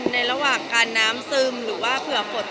ในระหว่างการน้ำซึมหรือว่า